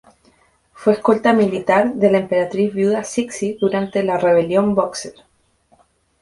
Fue escolta militar de la emperatriz viuda Cixi durante la Rebelión Bóxer.